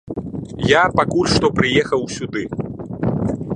Я пакуль што прыехаў сюды.